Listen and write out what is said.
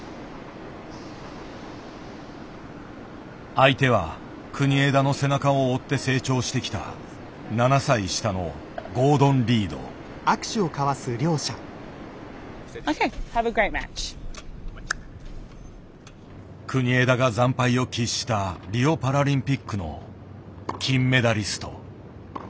相手は国枝の背中を追って成長してきた７歳下の国枝が惨敗を喫したリオパラリンピックの金メダリスト。